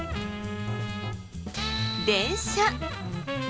電車。